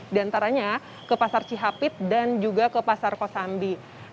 di antaranya ke pasar cihapit dan juga ke pasar kosambi